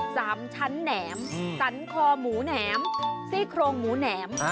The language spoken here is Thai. สามชั้นแหนมสันคอหมูแหนมซี่โครงหมูแหนม